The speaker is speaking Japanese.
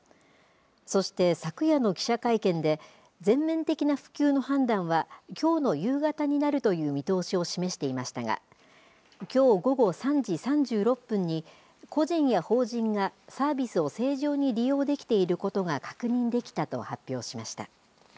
そして昨夜の記者会見で、全面的な復旧の判断はきょうの夕方になるという見通しを示していましたが、きょう午後３時３６分に、個人や法人がサービスを正常に利用できていることが確認できたと発表しました。